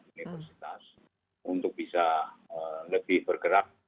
universitas untuk bisa lebih bergerak